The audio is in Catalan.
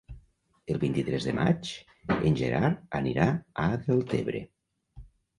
El vint-i-tres de maig en Gerard anirà a Deltebre.